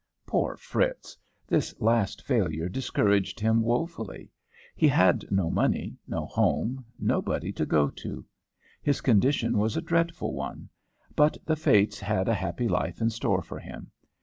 "Poor Fritz! This last failure discouraged him wofully. He had no money, no home, nobody to go to. His condition was a dreadful one; but the Fates had a happy life in store for him.